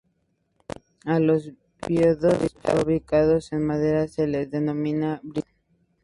A los bidones fabricados en madera se les denomina barriles.